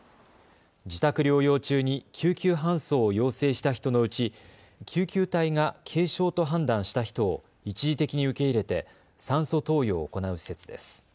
自宅療養中に救急搬送を要請した人のうち救急隊が軽症と判断した人を一時的に受け入れて酸素投与を行う施設です。